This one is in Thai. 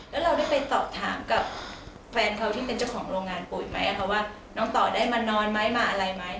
แล้วเราได้ไปตอบถามกับแฟนเขาที่เป็นเจ้าของโรงงานปุ๋ยไหมคะว่าน้องต่อได้มานอนไหมมาอะไรไหม